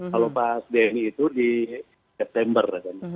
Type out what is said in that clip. kalau pas dni itu di september